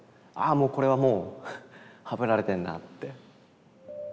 もうこれはもうはぶられてんなって。